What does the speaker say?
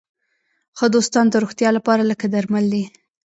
ښه دوستان د روغتیا لپاره لکه درمل دي.